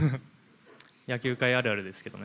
野球界あるあるですよね。